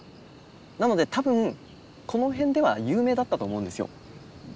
なので多分この辺では有名だったと思うんですよ。